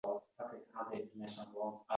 soniya